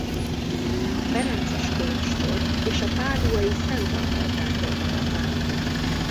A ferences kolostor és a Páduai Szent Antal templom maradványai.